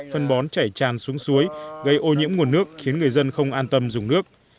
phân bón chảy tràn xuống suối gây ô nhiễm nguồn nước khiến người dân không an tâm dùng nước